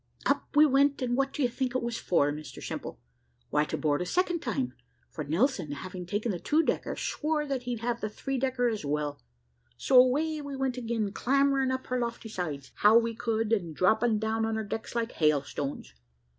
Up we went, and what do you think it was for, Mr Simple? Why to board a second time; for Nelson having taken the two decker, swore that he'd have the three decker as well. So away we went again, clambering up her lofty sides how we could, and dropping down on her decks like hailstones.